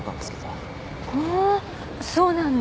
へえそうなんだ。